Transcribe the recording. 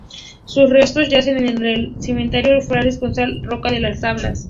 Sus restos yacen en el cementerio Francisco González Roca de Las Tablas.